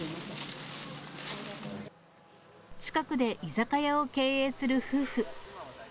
近くで居酒屋を経営する夫婦。